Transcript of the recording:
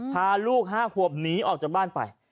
พาลูก๕ขวบหนีออกจากบ้านไป